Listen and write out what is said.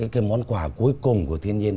cái món quà cuối cùng của thiên nhiên